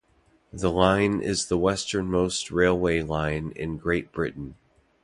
The line is the westernmost railway line in Great Britain.